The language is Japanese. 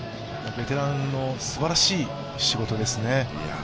ベテランのすばらしい仕事ですね。